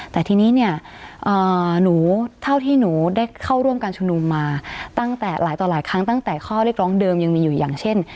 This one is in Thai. แต่ทีนี้เนี่ยหนูเท่าที่หนูได้เข้าร่วมการชุมนุมมาตั้งแต่หลายต่อหลายครั้งตั้งแต่ข้อเรียกร้องเดิมยังมีอยู่อย่างเช่น